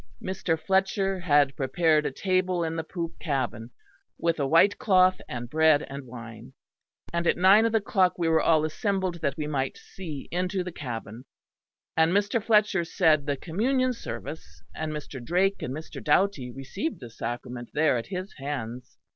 Mr. Fletcher had prepared a table in the poop cabin, with a white cloth and bread and wine; and at nine of the clock we were all assembled where we might see into the cabin: and Mr. Fletcher said the Communion service, and Mr. Drake and Mr. Doughty received the sacrament there at his hands.